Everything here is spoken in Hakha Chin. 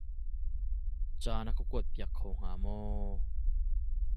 Ca na ka kuat piak kho hnga maw?